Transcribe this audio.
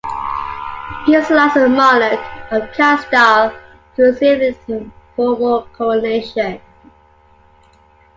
He was the last monarch of Castile to receive a formal coronation.